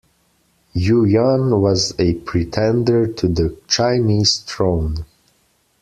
Yuyan was a pretender to the Chinese throne.